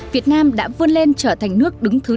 việt nam đã vươn lên trở thành nước đứng thứ chín